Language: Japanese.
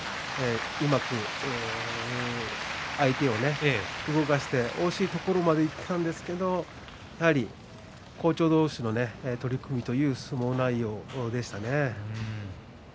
うまく相手を動かして惜しいところまでいったんですけれどもやはり好調同士の取組という相撲内容でしたね。